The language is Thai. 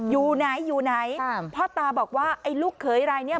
อยู่ไหนอยู่ไหนพ่อตาบอกว่าไอ้ลูกเขยรายเนี้ย